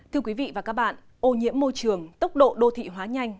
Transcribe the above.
thưa quý vị và các bạn ô nhiễm môi trường tốc độ đô thị hóa nhanh